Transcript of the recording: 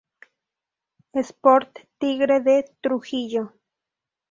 Sport Tigre de Trujillo.